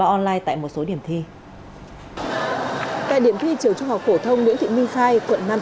một trăm một mươi ba online tại một số điểm thi tại điểm thi trường trung học phổ thông nguyễn thị minh khai quận nam